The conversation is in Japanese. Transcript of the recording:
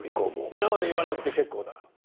皆まで言わなくて結構だ。